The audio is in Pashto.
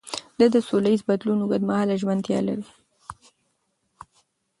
ده د سولهییز بدلون اوږدمهاله ژمنتیا لري.